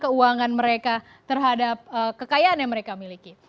keuangan mereka terhadap kekayaan yang mereka miliki